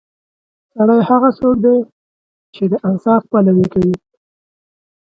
سړی هغه څوک دی چې د انصاف پلوي کوي.